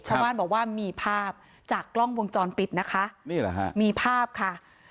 ชาวบ้านบอกว่ามีภาพจากกล้องวงจรปิดนะคะนี่เหรอฮะมีภาพค่ะ